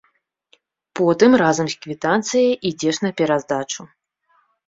Потым разам з квітанцыяй ідзеш на пераздачу.